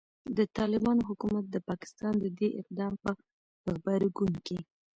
د طالبانو حکومت د پاکستان د دې اقدام په غبرګون کې